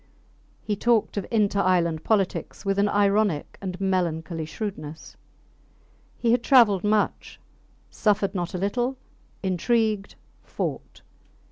He talked of inter island politics with an ironic and melancholy shrewdness. He had travelled much, suffered not a little, intrigued, fought.